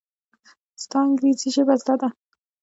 ستا انګرېزي ژبه زده ده!